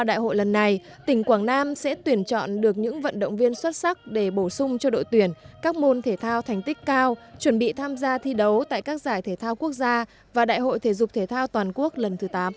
đại hội lần này thu hút gần ba vận động viên huấn luyện viên và trọng tài tham gia